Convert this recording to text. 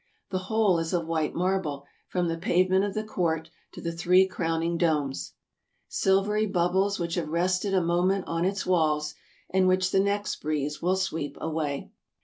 The whole is of white marble, from the pavement of the court to the three crowning domes, " silvery bubbles which have rested a mo ment on its walls, and which the next breeze will sweep away."